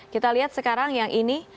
kita lihat sekarang yang ini